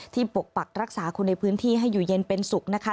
ปกปักรักษาคนในพื้นที่ให้อยู่เย็นเป็นสุขนะคะ